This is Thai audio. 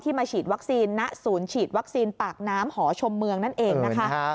มาฉีดวัคซีนณศูนย์ฉีดวัคซีนปากน้ำหอชมเมืองนั่นเองนะคะ